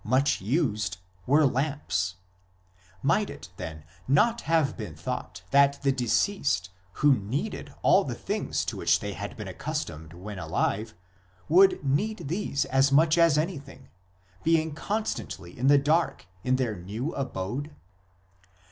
188 IMMORTALITY AND THE UNSEEN WORLD used, were lamps ; might it, then, not have been thought that the deceased, who needed all the things to which they had been accustomed when alive, would need these as much as anything, being constantly in the dark in their new abode